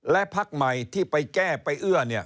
และพักใหม่ที่ไปแก้ไปเอื้อ